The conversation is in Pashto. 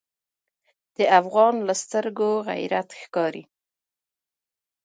د افغان له سترګو غیرت ښکاري.